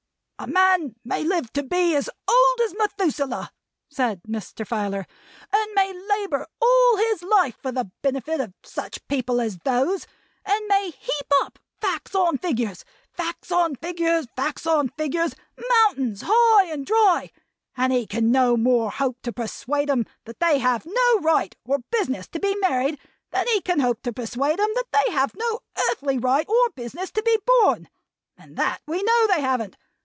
"A man may live to be as old as Methuselah," said Mr. Filer, "and may labor all his life for the benefit of such people as those; and may heap up facts on figures, facts on figures, facts on figures, mountains high and dry; and he can no more hope to persuade 'em that they have no right or business to be married than he can hope to persuade 'em that they have no earthly right or business to be born. And that we know they haven't.